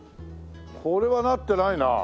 これはなってないなあ。